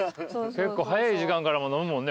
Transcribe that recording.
早い時間から飲むもんね